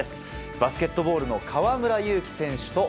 バスケットボールの河村勇輝選手